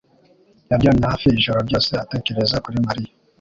yaryamye hafi ijoro ryose atekereza kuri Mariya